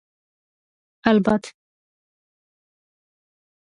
ალბათ